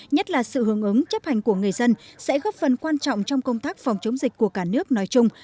nhất là sự hướng ứng chấp hành của người dân sẽ góp phần quan trọng trong công tác phòng chống dịch của cả nước nói chung